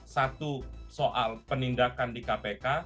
satu soal penindakan di kpk